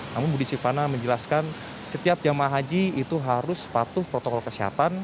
namun budi sivana menjelaskan setiap jemaah haji itu harus patuh protokol kesehatan